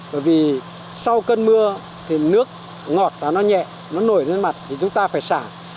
bởi vì sau cơn mưa thì nước ngọt và nó nhẹ nó nổi lên mặt thì chúng ta phải xả